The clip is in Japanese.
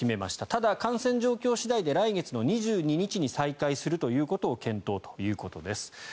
ただ感染状況次第で来月の２２日に再開するということを検討ということです。